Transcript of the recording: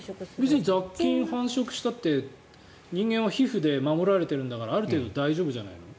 別に雑菌が繁殖したって人間は皮膚で守られてるんだからある程度、大丈夫じゃないの？